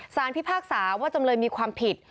พิพากษาว่าจำเลยมีความผิด